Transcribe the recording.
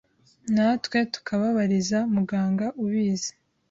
natwe tukababariza muganga, ubizi